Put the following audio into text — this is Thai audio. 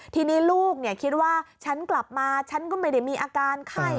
ทีนี้ลูกคิดว่าฉันกลับมาฉันก็ไม่ได้มีอาการไข้